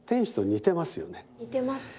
似てます。